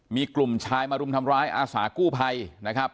มีกลุ่มชายมารุมทำร้ายอาสากู้ภัยนะครับ